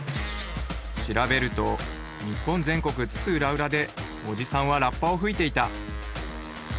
調べると日本全国津々浦々でおじさんはラッパを吹いていた。